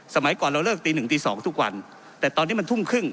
สมัยก่อนเราเลิกตีหนึ่งตีสองทุกวันแต่ตอนนี้มันทุ่มครึ่ง